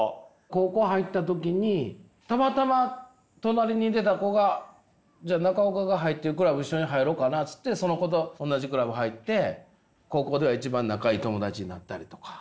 高校入った時にたまたま隣にいてた子が「じゃあ中岡が入ってるクラブ一緒に入ろうかな」っつってその子と同じクラブ入って高校では一番仲いい友達になったりとか。